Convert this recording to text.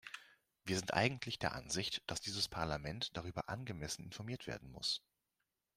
Wir sind eigentlich der Ansicht, dass dieses Parlament darüber angemessen informiert werden muss.